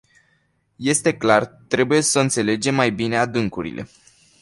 Este clar trebuie să înțelegem mai bine adâncurile.